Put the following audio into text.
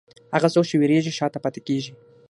هغه څوک چې وېرېږي، شا ته پاتې کېږي.